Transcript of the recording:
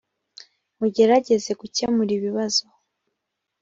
mujyerageze gukemura ibibazo.